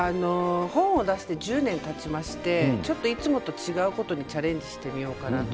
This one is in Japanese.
本を出して１０年たちましていつもと違うことにチャレンジしてみようかなと。